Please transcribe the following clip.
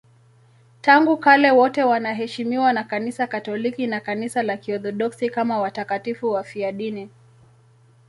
Tangu kale wote wanaheshimiwa na Kanisa Katoliki na Kanisa la Kiorthodoksi kama watakatifu wafiadini.